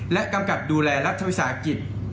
และกำกับดูแลรัฐวิทยาศาสตร์กิจ